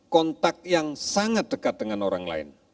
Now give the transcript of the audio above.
kontak yang sangat dekat dengan orang lain